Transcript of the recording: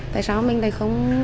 tại sao mình lại không